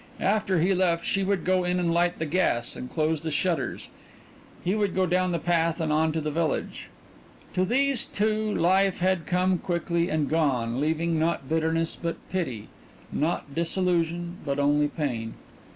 After he left she would go in and light the gas and close the shutters, and he would go down the path and on to the village. To these two life had come quickly and gone, leaving not bitterness, but pity; not disillusion, but only pain.